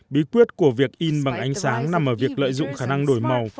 bí quyết của việc in bằng ánh sáng nằm ở việc lợi dụng khả năng đổi màu